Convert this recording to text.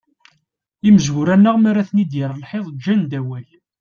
Imezwura-nneɣ mara ten-id-yerr lḥiḍ, ǧǧan-d awal.